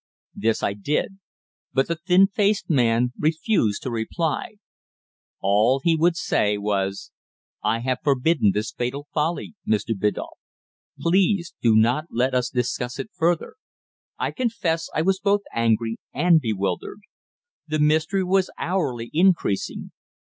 This I did, but the thin faced man refused to reply. All he would say was "I have forbidden this fatal folly, Mr. Biddulph. Please do not let us discuss it further." I confess I was both angry and bewildered. The mystery was hourly increasing.